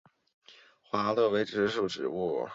紫萼石头花为石竹科石头花属的植物。